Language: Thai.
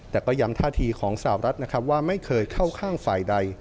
แต่ก็ย้ำท่าทีของสาวรัฐนะครับว่าไม่เคยเข้าข้างฝ่ายใด